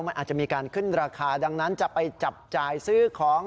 มันอาจจะมีการขึ้นราคาดังนั้นจะไปจับจ่ายซื้อของ